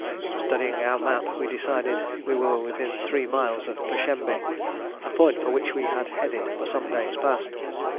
Studying our map, we decided we were within three miles of Pershembé, a point for which we had headed for some days past.